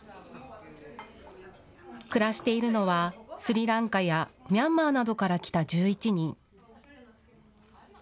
暮らしているのはスリランカやミャンマーなどから来た１１人。